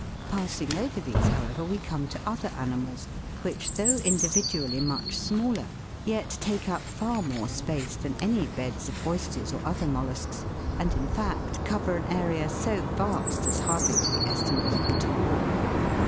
Passing over these, however, we come to other animals, which though individually much smaller, yet take up far more space than any beds of oysters or other mollusks, and in fact cover an area so vast as hardly to be estimated at all.